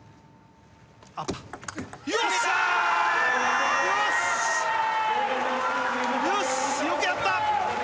よし、よくやった！